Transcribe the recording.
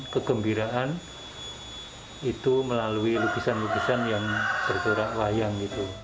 kegembiraan itu melalui lukisan lukisan yang bergerak wayang